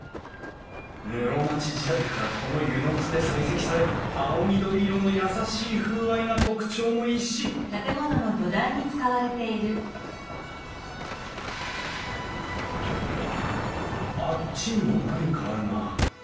室町時代からこの温泉津で採石され青緑色の優しい風合いが特徴の石あっちにも何かあるな。